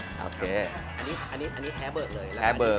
อันนี้แท้เบิกเลยแท้เบิก